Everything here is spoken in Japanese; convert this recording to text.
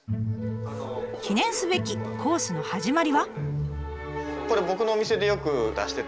記念すべきコースの始まりは。